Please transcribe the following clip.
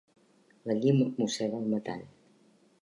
La llima mossega el metall.